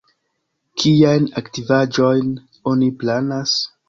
Kiajn aktivaĵojn oni planas?